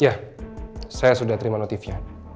ya saya sudah terima notifnya